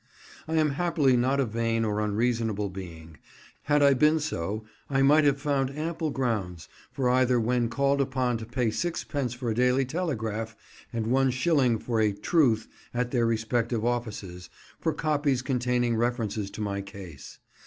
I am happily not a vain or unreasonable being: had I been so I might have found ample grounds for either when called upon to pay sixpence for a Daily Telegraph, and one shilling for a Truth at their respective offices, for copies containing references to my case.